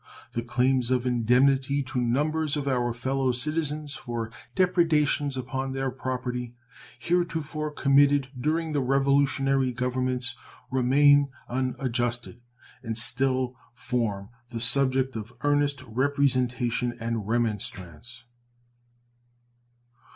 The claims of indemnity to numbers of our fellow citizens for depredations upon their property, heretofore committed during the revolutionary governments, remain unadjusted, and still form the subject of earnest representation and remonstrance.